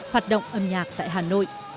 hoạt động âm nhạc tại hà nội